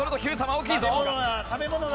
大きいぞ。